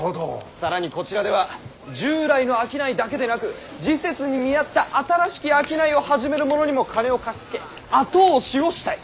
更にこちらでは従来の商いだけでなく時節に見合った新しき商いを始める者にも金を貸し付け後押しをしたい。